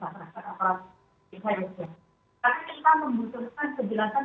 karena kita membutuhkan kejelasan kejelasan